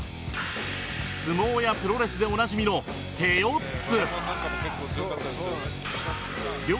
相撲やプロレスでおなじみの手四つ